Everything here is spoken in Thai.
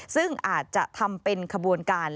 ซึ่งอาจจะทำเป็นขบวนการ